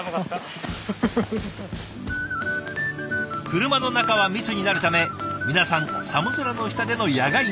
車の中は密になるため皆さん寒空の下での野外メシ。